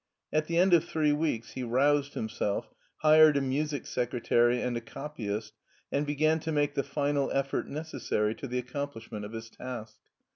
At the end of three weeks he roused himself, hired a music secretary and a copyist, and began to make the final effort necessary to the accomplishment of his task.